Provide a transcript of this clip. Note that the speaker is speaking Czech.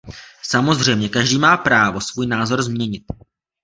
Samozřejmě, každý má právo svůj názor změnit.